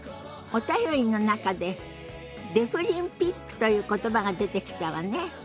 お便りの中でデフリンピックという言葉が出てきたわね。